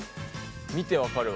見て分かるわ。